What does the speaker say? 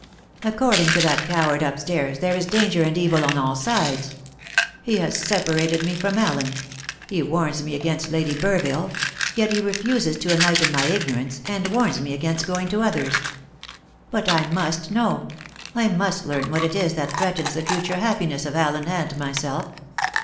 According to that coward upstairs, there is danger and evil on all sides. He has separated me from Allen; he warns me against Lady Burville; yet he refuses to enlighten my ignorance, and warns me against going to others. But I must know; I must learn what it is that threatens the future happiness of Allen and myself.